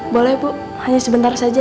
boleh bu hanya sebentar saja